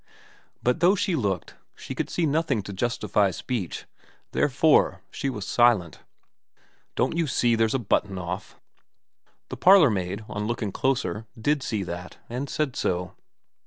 But though she looked, she could see nothing to justify speech. Therefore she was silent. * Don't you see there's a button off ?' xii VERA 233 The parlourmaid, on looking closer, did see that, and said so.